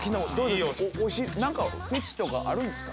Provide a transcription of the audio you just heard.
お尻なんかフェチとかあるんですか？